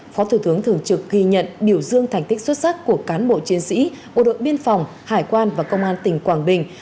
phó thủ tướng thường trực ghi nhận biểu dương thành tích xuất sắc của cán bộ chiến sĩ bộ đội biên phòng hải quan và công an tỉnh quảng bình